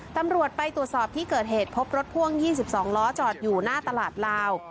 ตำรวจไปตรวจสอบที่เกิดเหตุพบรถพ่วง๒๒ล้อจอดอยู่หน้าตลาดลาว